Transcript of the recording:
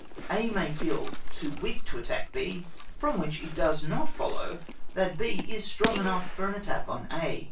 A may feel too weak to attack B, from which it does not follow that B is strong enough for an attack on A.